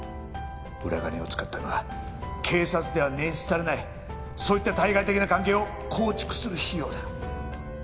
裏金を使ったのは警察では捻出されないそういった対外的な関係を構築する費用だ。